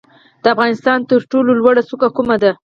د افغانستان تر ټولو لوړه څوکه کومه ده؟